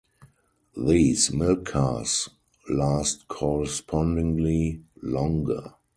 These milk cars last correspondingly longer.